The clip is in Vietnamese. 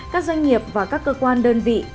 các doanh nghiệp và các cơ quan đơn vị